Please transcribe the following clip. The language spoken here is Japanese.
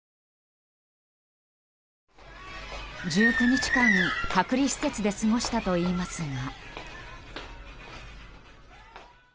１９日間、隔離施設で過ごしたといいますが。